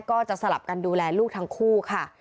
ก็จะสลับกันดูแลลูกทั้งคู่ค่ะ